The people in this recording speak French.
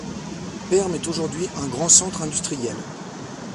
Perm est aujourd’hui un grand centre industriel.